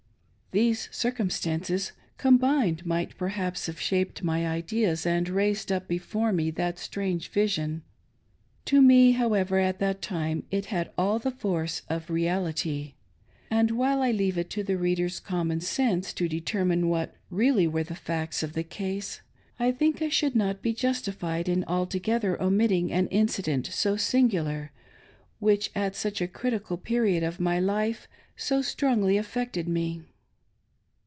These circumstances combined might perhaps have shaped my ideas and raised up before me that strange vision. To me, however, at the time, it had all the force of reality ; and ^yhile I leave it to the reader's common sense to determine what really were the facts of the case, I think I should not be justified in altogether omitting an incident so singular, which, at such a critical period of my life, so strongly affected me.